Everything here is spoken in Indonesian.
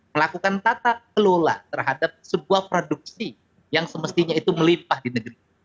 melakukan tata kelola terhadap sebuah produksi yang semestinya itu melimpah di negeri